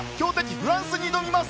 フランスに挑みます。